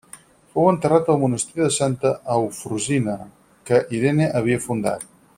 Fou enterrat al monestir de Santa Eufrosina, que Irene havia fundat.